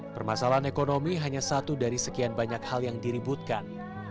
permasalahan ekonomi hanya satu dari sekian banyak hal yang diributkan